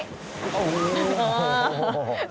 โอ้โห